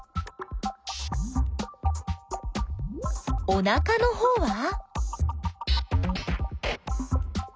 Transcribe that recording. おなかのほうは？